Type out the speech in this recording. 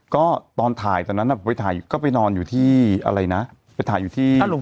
ก็ตอนถ่ายตอนนั้นผมไปถ่ายก็ไปนอนอยู่ที่อะไรนะไปถ่ายอยู่ที่